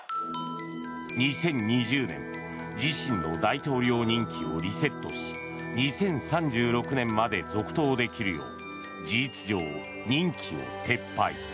２０２０年自身の大統領任期をリセットし２０３６年まで続投できるよう事実上、任期を撤廃。